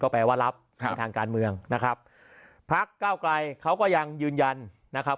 แปลว่ารับในทางการเมืองนะครับพักเก้าไกลเขาก็ยังยืนยันนะครับ